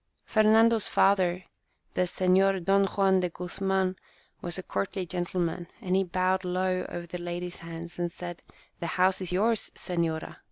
Fernando's father, the Senor Don Juan de Guzman, was a courtly gentleman, and he bowed low over the ladies' hands, and said, " The house is yours, senora